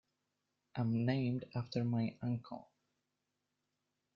I'm named after my uncle.